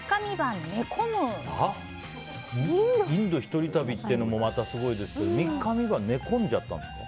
インド１人旅っていうのもまたすごいですけど３日３晩寝込んじゃったんですか。